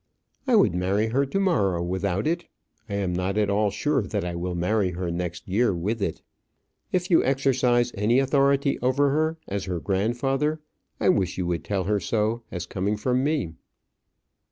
"I would marry her to morrow without it. I am not at all sure that I will marry her next year with it. If you exercise any authority over her as her grandfather, I wish you would tell her so, as coming from me."